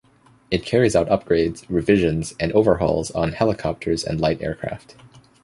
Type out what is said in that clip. It carries out upgrades, revisions, and overhauls on helicopters and light aircraft.